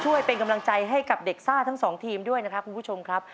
ช่วยเป็นกำลังใจให้กับเด็กซ่าทั้งสองทีมด้วยนะครับคุณผู้ชมครับ